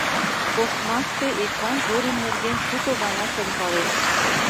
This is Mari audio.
Коштмаште Эчан Зорин нерген шуко гана шонкален.